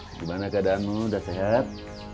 gimana keadaanmu udah sehat